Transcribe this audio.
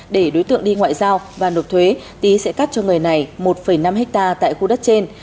để đối tượng đi ngoại giao và nộp thuế tý sẽ cắt cho người này một năm hectare tại khu đất trên